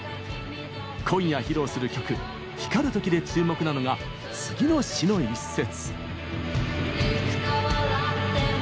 今夜披露する曲「光るとき」で注目なのが次の詞の一節。